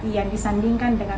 yang disandingkan dengan